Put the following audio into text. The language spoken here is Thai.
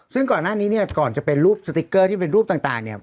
ซึ่งก่อนหน้านี้เนี่ยก่อนจะเป็นรูปสติ๊กเกอร์ที่เป็นรูปต่างเนี่ย